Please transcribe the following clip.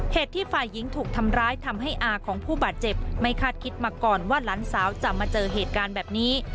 เหตุที่ฝ่ายหญิงถูกทำร้ายทำให้อาของผู้บาดเจ็บไม่คาดคิดมาก่อนว่าหลานสาวจะมาเจอเหตุการณ์แบบนี้